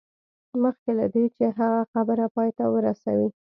مخکې له دې چې هغه خبره پای ته ورسوي